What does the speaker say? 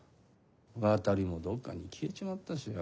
渡もどっかに消えちまったしよ。